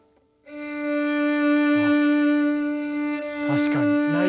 確かに。